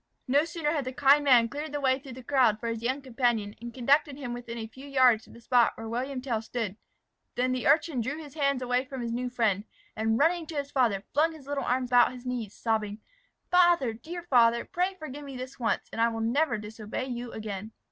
No sooner had the kind man cleared the way through the crowd for his young companion, and conducted him within a few yards of the spot where William Tell stood, than the urchin drew his hand away from his new friend, and running to his father, flung his little arms about his knees, sobbing, "Father, dear father, pray forgive me this once, and I will never disobey you again."